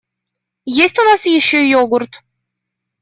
Есть у нас ещё йогурт?